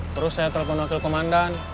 terus saya telepon wakil komandan